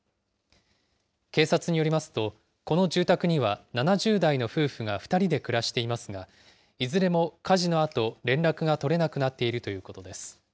警察によりますと、この住宅には７０代の夫婦が２人で暮らしていますが、いずれも火事のあと連絡が取れなくなっているということです。